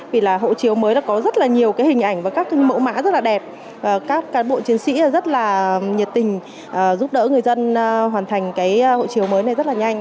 vì là hộ chiếu mới đã có rất là nhiều cái hình ảnh và các mẫu mã rất là đẹp các cán bộ chiến sĩ rất là nhiệt tình giúp đỡ người dân hoàn thành cái hộ chiếu mới này rất là nhanh